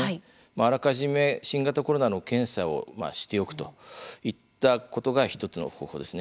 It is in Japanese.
あらかじめ新型コロナの検査をしておくといったことが１つの方法ですね。